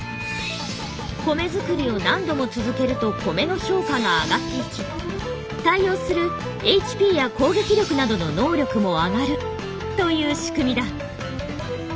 米作りを何度も続けると米の評価が上がっていき対応するＨＰや攻撃力などの能力も上がるという仕組みだ。